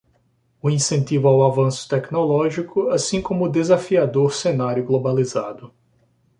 O incentivo ao avanço tecnológico, assim como o desafiador cenário globalizado